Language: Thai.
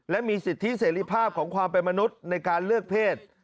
และมีสิทธิเสรีภาพของความเป็นมนุษย์ในการเลือกเพศ